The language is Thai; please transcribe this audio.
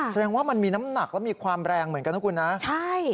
แสดงว่ามันมีน้ำหนักและมีความแรงเหมือนกันนะคุณนะใช่